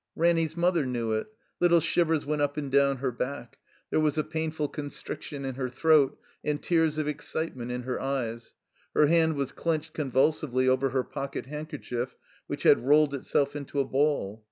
Ranny's mother knew it. Little shivers went up and down her back; there was a painful constriction in her throat, and tears of excitement in her eyes; her hand was clenched convulsively over her pocket handkerchief which had rolled itself into a ball.